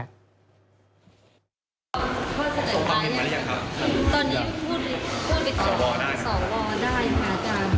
จะมาเป็นลายลักอักษรใช่มั้ยคะอาจารย์เราถึงจะพิจารณา